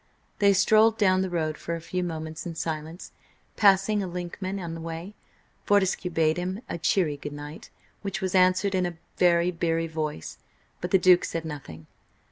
They strolled down the road for a few moments in silence, passing a 1inkman on the way. Fortescue bade him a cheery goodnight, which was answered in a very beery voice, but the Duke said nothing.